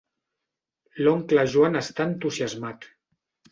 L'oncle Joan està entusiasmat.